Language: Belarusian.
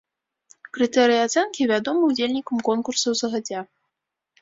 Крытэрыі ацэнкі вядомы ўдзельнікам конкурсаў загадзя.